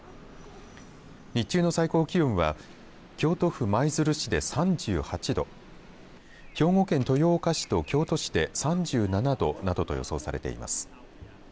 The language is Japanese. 日中の最高気温は京都府舞鶴市で３８度兵庫県豊岡市と京都市で３７度などと予想されています。